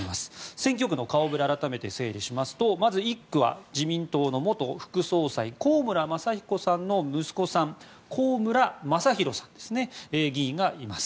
選挙区の顔触れを改めて整理しますとまず１区は自民党の元副総裁高村正彦さんの息子さん高村正大議員がいます。